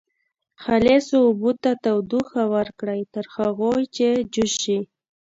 خالصو اوبو ته تودوخه ورکړئ تر هغو چې جوش شي.